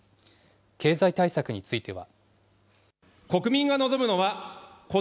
経済対策については。